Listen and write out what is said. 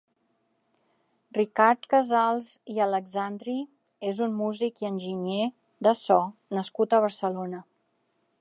Ricard Casals i Alexandri és un músic i enginyer de so nascut a Barcelona.